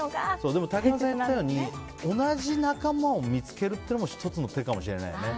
でも、竹山さんが言ったように同じ仲間を見つけるというのも一つの手かもしれないよね。